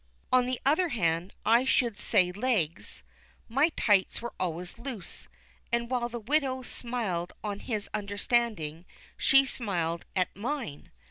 On the other hand I should say legs my tights were always loose, and while the widow smiled on his understanding, she smiled at mine.